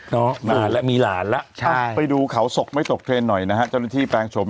น้องหลานล่ะไปดูเขาศกไม่ตกเทนหน่อยนะครับ